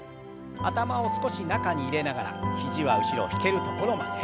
頭を少し中に入れながら肘は後ろ引けるところまで。